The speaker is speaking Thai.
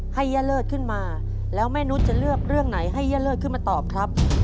ย่าเลิศขึ้นมาแล้วแม่นุษย์จะเลือกเรื่องไหนให้ย่าเลิศขึ้นมาตอบครับ